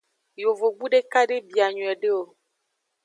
Yovogbu deka de bia nyuiede o.